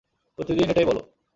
প্রতিদিন এটাই বলো।